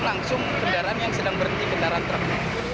langsung kendaraan yang sedang berhenti kendaraan truk